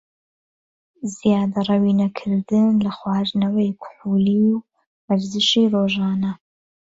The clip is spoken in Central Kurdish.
زیادەڕەوی نەکردن لە خواردنەوەی کحولی و وەرزشی رۆژانە